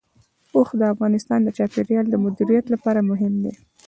اوښ د افغانستان د چاپیریال د مدیریت لپاره مهم دي.